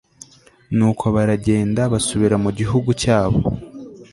nuko baragenda basubira mu gihugu cyabo